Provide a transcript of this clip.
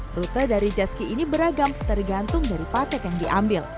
rute dari jetski ini beragam tergantung dari paket yang diambil